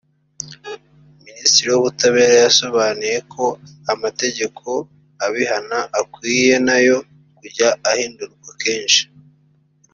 Minisitiri w’Ubutabera yasobanuye ko amategeko abihana akwiye nayo kujya ahindurwa kenshi